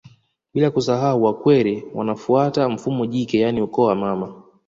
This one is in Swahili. Bila kusahau Wakwere wanafuata mfumo jike yaani ukoo wa mama